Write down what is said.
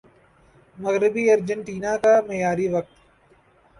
مغربی ارجنٹینا کا معیاری وقت